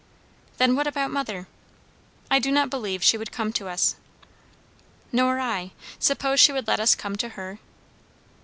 "Then what about mother?" "I do not believe she would come to us." "Nor I. Suppose she would let us come to her?"